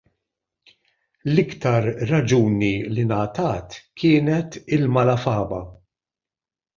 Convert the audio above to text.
L-iktar raġuni li ngħatat kienet il-malafama.